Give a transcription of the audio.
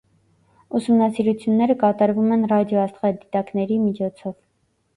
Ուսումնասիրությունները կատարվում են ռադիոաստղադիտակների միջոցով։